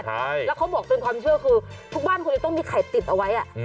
ใช่แล้วเขาบอกเป็นความเชื่อคือทุกบ้านควรจะต้องมีไข่ติดเอาไว้